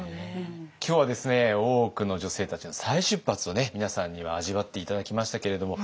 今日はですね大奥の女性たちの再出発を皆さんには味わって頂きましたけれども。